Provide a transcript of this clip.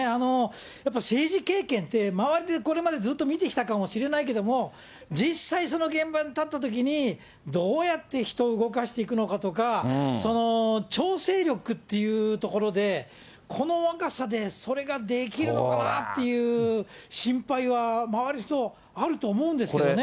やっぱ政治経験って、周りでこれまでずっと見てきたかもしれないけども、実際、その現場に立ったときに、どうやって人を動かしていくのかとか、その調整力っていうところで、この若さでそれができるのかなっていう心配は周りの人、あると思うんですけどね。